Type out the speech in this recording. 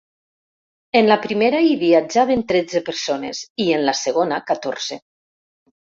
En la primera hi viatjaven tretze persones i en la segona catorze.